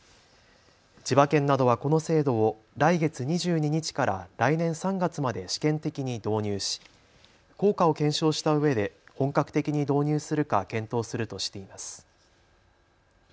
千葉県などはこの制度を来月２２日から来年３月まで試験的に導入し効果を検証したうえで本格的に導入するか検討するとしています。